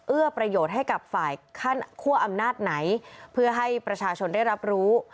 เอื้อประโยชน์ให้กับฝ่ายคั่วอำนาจไหนเพื่อให้ประชาชนได้รับรู้